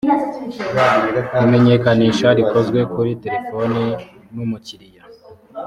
imenyekanisha rikozwe kuri telefoni n umukiriya